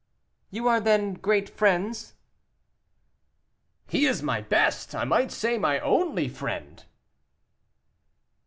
"You are, then, great friends?" "He is my best, I might say my only, friend."